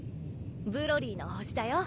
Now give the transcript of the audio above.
ブロリーの星だよ。